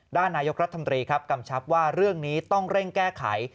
นายกรัฐมนตรีครับกำชับว่าเรื่องนี้ต้องเร่งแก้ไข